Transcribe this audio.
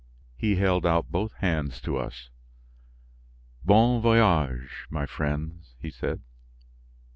He held out both hands to us. "Bon voyage, my friends!" he said.